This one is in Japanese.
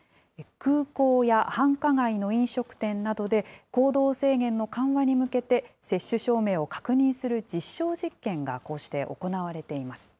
空港や繁華街の飲食店などで、行動制限の緩和に向けて、接種証明を確認する実証実験がこうして行われています。